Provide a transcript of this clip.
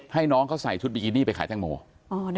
ให้น้องเขาใส่ชุดบิกินี่ไปขายแตงโม